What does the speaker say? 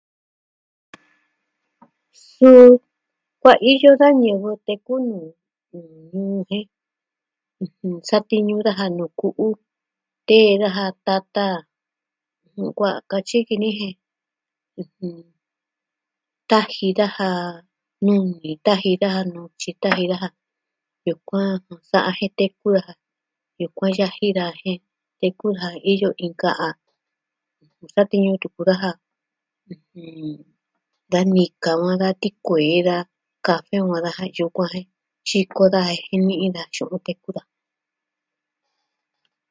Suu kuaiyo da ñivɨ teku ñuu jen satiñu daja nuu ku'u, tee daja tata, sukuan katyi ki ni jen, taji daja nuni, taji daja nutyi, taji daja yukuan sa'a jen tee kuu a ja. Yukuan yaji daa jen teku ja iyo inka a satiñu tuku daja. Da nika va tikuee da kafe va daja tyukuan jen. Xiko daja jen ni'i daa tyu'un teku daa.